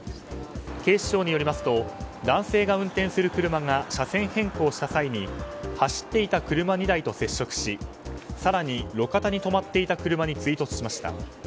警視庁によりますと男性が運転する車が車線変更した際に走っていた車２台と接触し更に路肩に止まっていた車に追突しました。